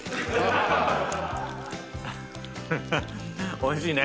おいしいね！